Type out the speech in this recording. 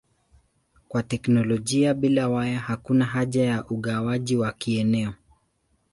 Kwa teknolojia bila waya hakuna haja ya ugawaji wa kieneo.